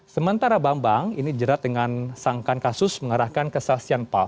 sementara bambang ini jerat dengan sangkan kasus mengarahkan kesahsian